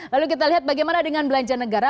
lalu kita lihat bagaimana dengan belanja negara